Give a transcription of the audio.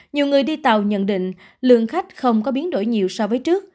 nhiều người đi tàu nhận định lượng khách không có biến đổi nhiều so với trước